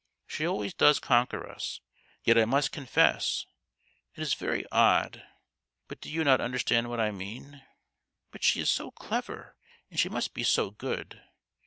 She always does conquer us ; that I must confess. It is very odd, but do you not understand what I mean ? But she is so clever, and she must be so good